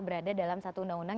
berada dalam satu undang undang